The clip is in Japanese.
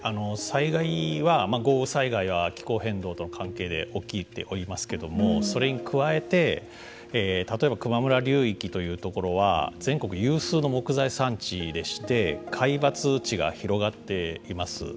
豪雨災害は気候変動との関係で起きていますけれどもそれに加えて例えば球磨川流域というところは全国有数の木材産地でして皆伐地が広がっています。